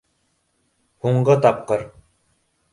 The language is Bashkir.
Һуңғы тапҡыр.